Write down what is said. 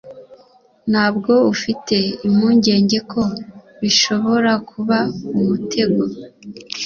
Ntabwo ufite impungenge ko bishobora kuba umutego?